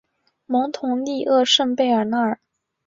蒙图利厄圣贝尔纳尔。